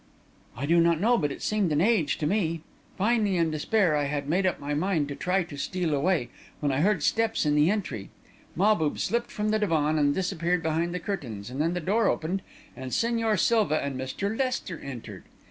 "I do not know but it seemed an age to me. Finally, in despair, I had made up my mind to try to steal away, when I heard steps in the entry. Mahbub slipped from the divan and disappeared behind the curtains, and then the door opened and Señor Silva and Mr. Lester entered.